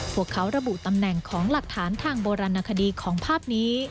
พวกเขาระบุตำแหน่งของหลักฐานทางโบราณคดีของภาพนี้